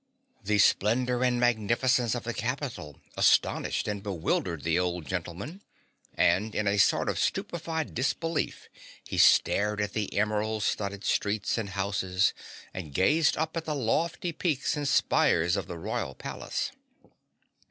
The splendor and magnificence of the capital astonished and bewildered the old gentleman and in a sort of stupefied disbelief he stared at the emerald studded streets and houses, and gazed up at the lofty peaks and spires of the royal palace.